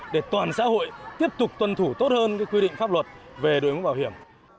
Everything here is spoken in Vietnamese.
để toàn xã hội tiếp tục tuân thủ tốt hơn quy định pháp luật về đội mũ bảo hiểm